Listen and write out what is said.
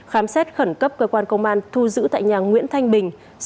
khám xét khẩn cấp cơ quan công an thu giữ tại nhà nguyễn thanh bình